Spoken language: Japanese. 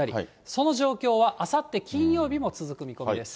その状況はあさって金曜日も続く見込みです。